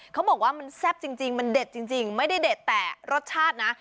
เขาบอกว่ามันแซ่บจริงมันเด็ดจริงไม่ได้เด็ดแต่รสชาตินะ